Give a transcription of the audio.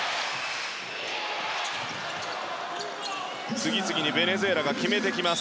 次々にベネズエラが決めてきます。